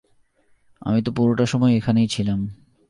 আমি তো পুরোটা সময় এখানেই ছিলাম।